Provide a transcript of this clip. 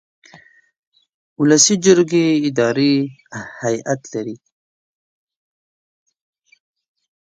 ولسي جرګې اداري هیئت لري.